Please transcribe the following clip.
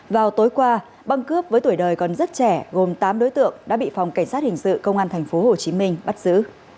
vào tối qua băng cướp với tuổi đời còn rất trẻ gồm tám đối tượng đã bị phòng cảnh sát hình sự công an tp hcm bắt giữ